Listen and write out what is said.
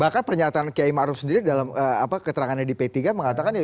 bahkan pernyataan kiai ma'ruf sendiri dalam keterangannya di p tiga mengatakan